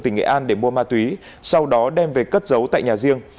tỉnh nghệ an để mua ma túy sau đó đem về cất giấu tại nhà riêng